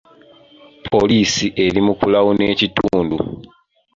Poliisi eri mu kulawuna ekitundu.